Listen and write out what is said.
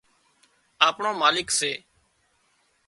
آپڻو مالڪ سي